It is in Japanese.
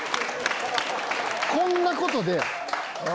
こんなことで。